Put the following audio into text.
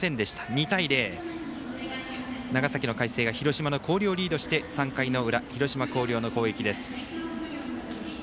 ２対０、長崎の海星が広島の広陵をリードして３回の裏、広島・広陵の攻撃です。